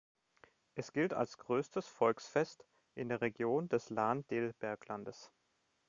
Es gilt als größtes Volksfest in der Region des Lahn-Dill-Berglandes.